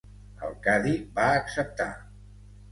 El cadi va acceptar.